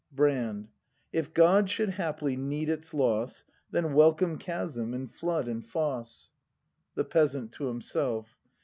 Brand. If God should haply need its loss, Then welcome chasm, and flood, and foss. The Peasant. [To himself.